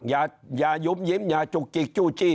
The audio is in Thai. อย่ายุ่มยิ้มอย่าจุกจิกจู้จี้